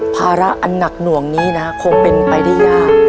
ภาระอันหนักหน่วงนี้นะคงเป็นไปได้ยาก